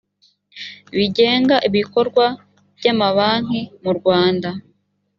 bigenga ibikorwa by amabanki mu rwanda